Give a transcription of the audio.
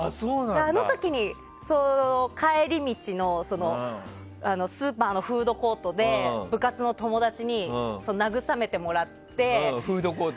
あの時に帰り道のスーパーのフードコートで部活の友達に慰めてもらって。